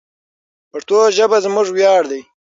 پښتو ژبه زموږ ویاړ دی.